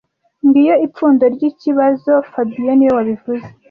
Ngiyo ipfundo ryikibazo fabien niwe wabivuze